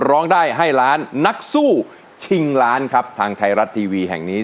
ร้องได้ให้ล้านนักสู้ชิงล้านครับทางไทยรัฐทีวีแห่งนี้